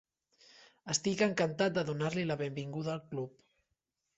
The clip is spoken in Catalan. Estic encantat de donar-li la benvinguda a club.